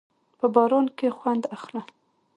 په باران کښېنه، خوند اخله.